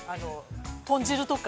豚汁とか。